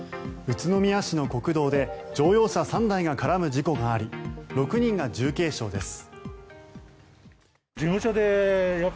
宇都宮市の国道で乗用車３台が絡む事故があり６人が重軽傷です。